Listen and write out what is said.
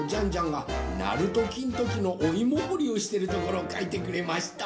がなるときんときのおいもほりをしてるところをかいてくれました！